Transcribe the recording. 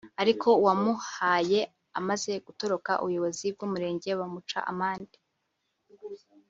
ariko uwabumuhaye amaze gutoroka ubuyobozi bw’umurenge bumuca amande